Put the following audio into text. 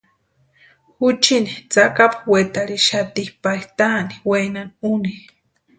Juchiini tsakapu wetarhixati pari taani wenani úni.